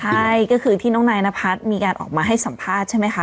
ใช่ก็คือที่น้องนายนพัฒน์มีการออกมาให้สัมภาษณ์ใช่ไหมคะ